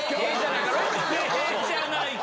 『ええじゃないか』！